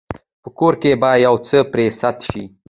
په کور کې به يو څه پرې سد شي.